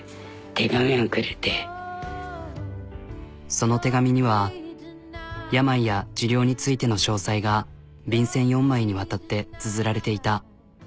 その手紙には病や治療についての詳細が便箋４枚にわたってつづられていた。